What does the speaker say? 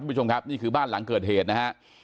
ผู้ชมครับนี่คือบ้านหลังเกิดเหตุนะฮะ